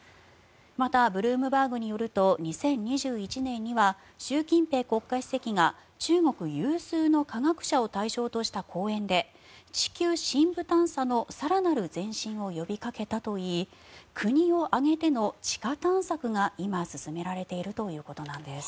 また、ブルームバーグによると２０２１年には習近平国家主席が中国有数の科学者を対象とした講演で地球深部探査の更なる前進を呼びかけたといい国を挙げての地下探索が今、進められているということなんです。